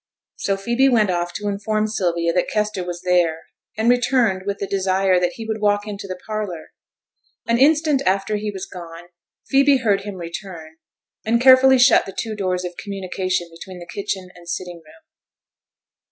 So Phoebe went off to inform Sylvia that Kester was there; and returned with the desire that he would walk into the parlour. An instant after he was gone, Phoebe heard him return, and carefully shut the two doors of communication between the kitchen and sitting room.